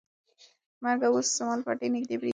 مرګ اوس زما لپاره ډېر نږدې برېښي.